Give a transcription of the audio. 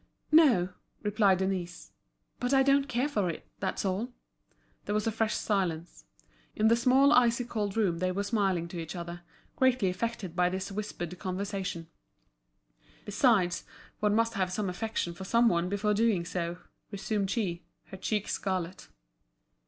"No," replied Denise. "But I don't care for it, that's all." There was a fresh silence. In the small icy cold room they were smiling to each other, greatly affected by this whispered conversation. "Besides, one must have some affection for some one before doing so," resumed she, her cheeks scarlet.